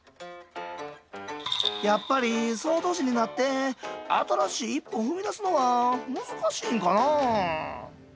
やっぱり、その年になって新しい一歩を踏み出すのは難しいんかな。